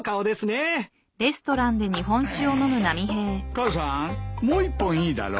母さんもう一本いいだろう。